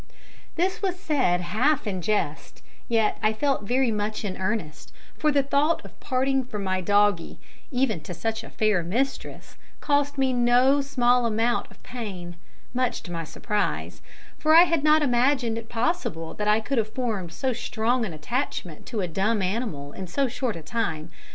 This was said half in jest yet I felt very much in earnest, for the thought of parting from my doggie, even to such a fair mistress, cost me no small amount of pain much to my surprise, for I had not imagined it possible that I could have formed so strong an attachment to a dumb animal in so short a time.